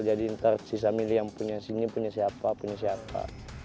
jadi nanti sisa milih yang punya sini punya siapa punya siapa